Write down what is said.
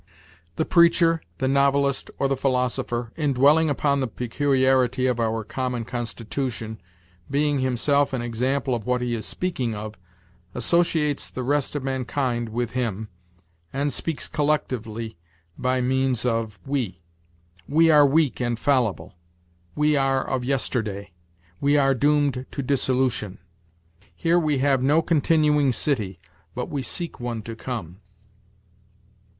The preacher, the novelist, or the philosopher, in dwelling upon the peculiarity of our common constitution, being himself an example of what he is speaking of, associates the rest of mankind with him, and speaks collectively by means of 'we.' 'We are weak and fallible'; 'we are of yesterday'; 'we are doomed to dissolution.' 'Here have we no continuing city, but we seek one to come.'